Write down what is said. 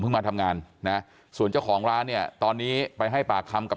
มาทำงานนะส่วนเจ้าของร้านเนี่ยตอนนี้ไปให้ปากคำกับ